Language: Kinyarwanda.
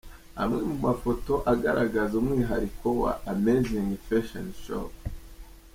Amwe mu mafoto agaragaza umwihariko wa Amazing Fashion Shop:.